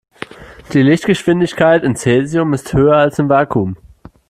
Die Lichtgeschwindigkeit in Cäsium ist höher als im Vakuum.